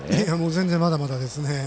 全然、まだまだですね。